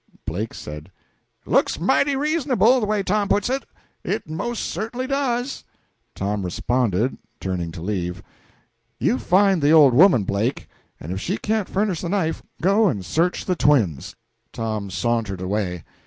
Blake said "It looks mighty reasonable, the way Tom puts it; it most certainly does." Tom responded, turning to leave "You find the old woman, Blake, and if she can't furnish the knife, go and search the twins!" Tom sauntered away.